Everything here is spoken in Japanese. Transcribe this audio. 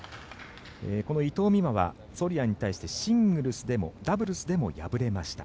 この伊藤美誠はソルヤに対してシングルスでもダブルスでも敗れました。